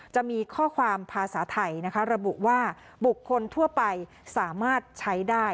จะมีข้อความภาษาไทยนะคะระบุว่าบุคคลทั่วไปสามารถใช้ได้